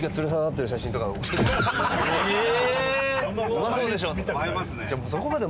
「うまそうでしょ」って。